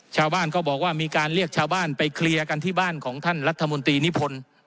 ชาวบ้านก็บอกว่ามีการเรียกชาวบ้านไปเคลียร์กันที่บ้านของท่านรัฐมนตรีนิพนธ์